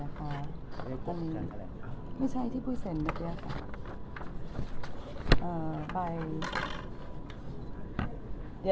น้องบอกว่าไม่ใช่ตัดสิทธิ์เองแน่นอนให้ท่านคอยเป็นคนตัดสิทธิ์ใจ